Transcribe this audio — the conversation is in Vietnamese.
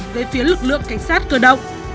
với phía lực lượng cảnh sát cơ động